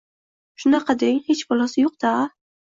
Shunaqa deng… Hech balosi yoʻq-da, a?